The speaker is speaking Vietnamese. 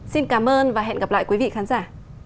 xin cảm ơn và hẹn gặp lại quý vị khán giả